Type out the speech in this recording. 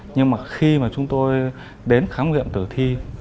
nhưng mà khi mà chúng tôi đến khám nghiệm tử thi